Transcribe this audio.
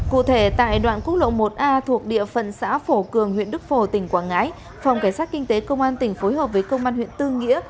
cụ thể tại đoạn quốc lộ một a thuộc địa phận xã phổ cường huyện đức phổ tỉnh quảng ngãi phòng cảnh sát kinh tế công an tỉnh phối hợp với công an huyện tư nghĩa